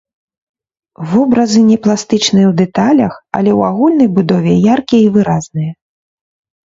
Вобразы не пластычныя ў дэталях, але ў агульнай будове яркія і выразныя.